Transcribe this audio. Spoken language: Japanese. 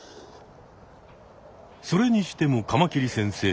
それにしてもカマキリ先生